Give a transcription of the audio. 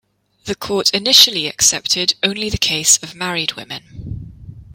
The court initially accepted only the case of married women.